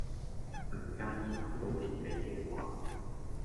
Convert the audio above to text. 唔介意等到年尾嘅話